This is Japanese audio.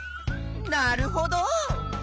なるほど！